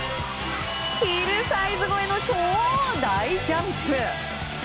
ヒルサイズ越えの超大ジャンプ！